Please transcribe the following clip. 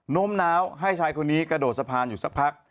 ้มน้าวให้ชายคนนี้กระโดดสะพานอยู่สักพัก